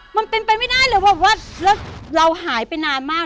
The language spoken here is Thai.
มันเป็นไปไม่ได้เลยแบบว่าแล้วเราหายไปนานมาก